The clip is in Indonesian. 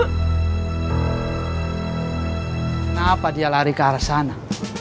kenapa dia lari ke arah sana